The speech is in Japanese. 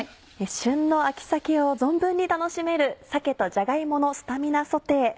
旬の秋鮭を存分に楽しめる「鮭とじゃが芋のスタミナソテー」。